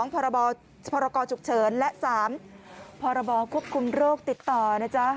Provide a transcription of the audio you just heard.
พรกรฉุกเฉินและ๓พรบควบคุมโรคติดต่อนะจ๊ะ